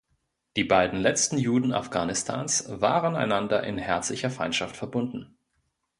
Die beiden letzten Juden Afghanistans waren einander in herzlicher Feindschaft verbunden.